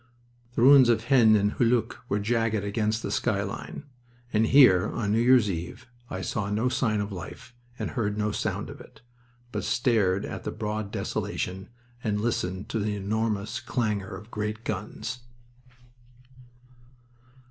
The ruins of Haisnes and Hulluch were jagged against the sky line. And here, on New Year's eve, I saw no sign of human life and heard no sound of it, but stared at the broad desolation and listened to the enormous clangor of great guns.